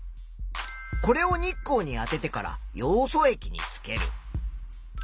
これを日光にあててからヨウ素液につける。